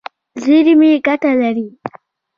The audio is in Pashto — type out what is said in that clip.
زیرمې ګټه لري.